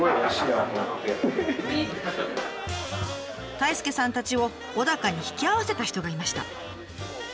太亮さんたちを小高に引き合わせた人がいました。